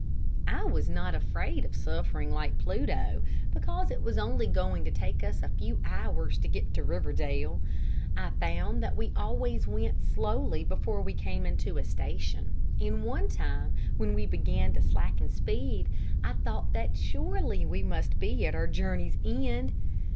I was not afraid of suffering like Pluto, because it was only going to take us a few hours to get to Riverdale. I found that we always went slowly before we came in to a station, and one time when we began to slacken speed I thought that surely we must be at our journey's end.